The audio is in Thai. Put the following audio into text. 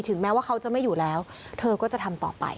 แม้ว่าเขาจะไม่อยู่แล้วเธอก็จะทำต่อไป